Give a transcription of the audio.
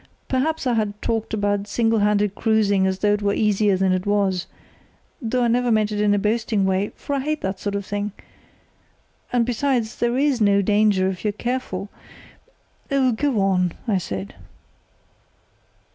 Perhaps I had talked about single handed cruising as though it were easier than it was, though I never meant it in a boasting way, for I hate that sort of thing, and besides there is no danger if you're careful——" "Oh, go on," I said.